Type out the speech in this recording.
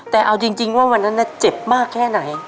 แต่เอาจริงว่าวันนั้นเจ็บมากแค่ไหน